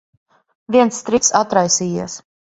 Viens striķis atraisījies.